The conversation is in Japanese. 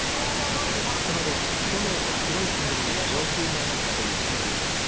その後、炎と黒い煙が上空に上がったということです。